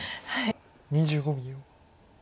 ２５秒。